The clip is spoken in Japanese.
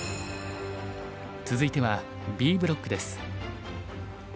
続いてはＢブロックです。